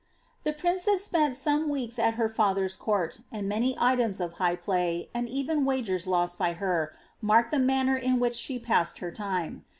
l^he princess spent some weeks at her father's court, and many itfou of high play, and even wagers lost by her, mark the manner in which she passed her time.